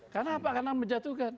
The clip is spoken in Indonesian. karena apa karena menjatuhkan